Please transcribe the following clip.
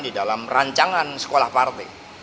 di dalam rancanganletak indonesia sekolah parti